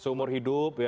seumur hidup ya